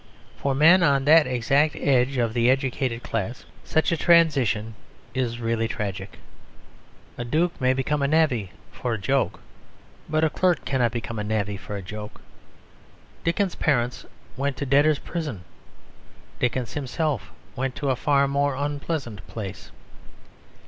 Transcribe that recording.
For men on that exact edge of the educated class such a transition is really tragic. A duke may become a navvy for a joke, but a clerk cannot become a navvy for a joke. Dickens's parents went to a debtors' prison; Dickens himself went to a far more unpleasant place.